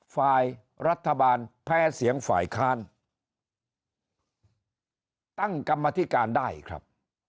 ฝ่ายรัฐบาลแพ้เสียงฝ่ายค้านตั้งกรรมธิการได้ครับ